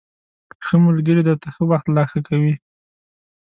ښه ملگري درته ښه وخت لا ښه کوي